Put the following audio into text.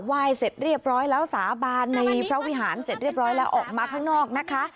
ไหว้เสร็จเรียบร้อยแล้วสาบานในพระวิหารเสร็จเรียบร้อยแล้วออกมาข้างนอกนะคะ